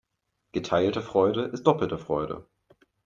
Geteilte Freude ist doppelte Freude.